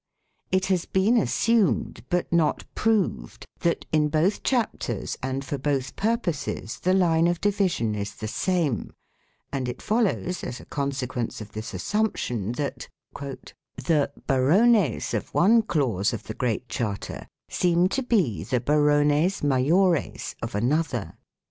It has been assumed, but not proved, that, in both chapters and for both purposes, the line of division is the same, and it follows, as a consequence of this assumption, that the "barones " of one clause of the Great Charter seem to be the " barones majores " of another.